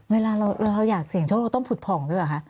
เวลาเราอยากเสี่ยงโชคเราต้องผุดผ่องด้วยเหรอคะ